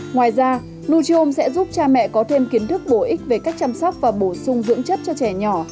ngoài ra nugi home sẽ giúp cha mẹ có thêm kiến thức bổ ích về cách chăm sóc và bổ sung dưỡng chất cho trẻ nhỏ